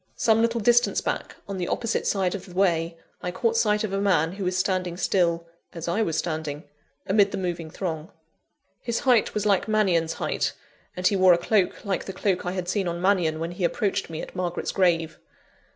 Some little distance back, on the opposite side of the way, I caught sight of a man who was standing still (as I was standing), amid the moving throng. His height was like Mannion's height; and he wore a cloak like the cloak I had seen on Mannion, when he approached me at Margaret's grave.